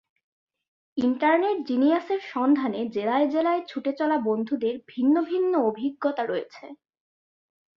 Internet জিনিয়াসের সন্ধানে জেলায় জেলায় ছুটে চলা বন্ধুদের ভিন্ন ভিন্ন অভিজ্ঞতা রয়েছে।